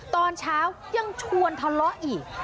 ตอนเช้ายังชวนทะเลาะอีก